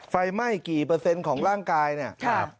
ไฟไหม้กี่เปอร์เซ็นต์ของร่างกายเนี่ย